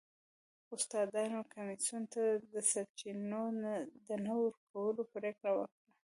سناتورانو کمېسیون ته د سرچینو د نه ورکولو پرېکړه وکړه.